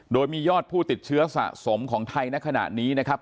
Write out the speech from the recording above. โดยมียอดผู้ติดเชื้อสะสมของไทยในขณะนี้นะครับ